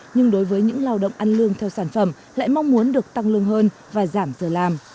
nhưng đối với những lao động ăn lương theo sản phẩm lại mong muốn được tăng lương hơn và giảm giờ làm